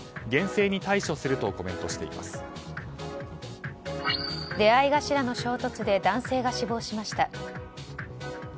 厳正に対処すると出合い頭の衝突で男性が死亡しました。